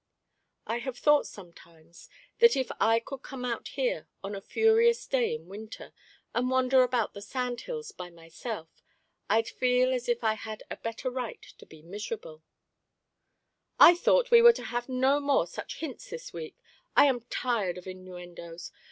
I have thought sometimes that if I could come out here on a furious day in winter, and wander about the sand hills by myself, I'd feel as if I had a better right to be miserable " "I thought we were to have no more such hints this week. I am tired of innuendoes.